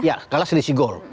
ya kalah selisih gol